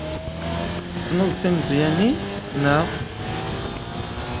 Tessneḍ timeẓyanin, naɣ?